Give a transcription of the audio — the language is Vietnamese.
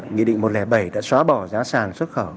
nghị định một trăm linh bảy đã xóa bỏ giá sản xuất khẩu